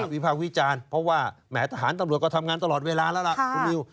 วิภาควิจารณ์เพราะว่าแหมทหารตำรวจก็ทำงานตลอดเวลาแล้วล่ะคุณนิว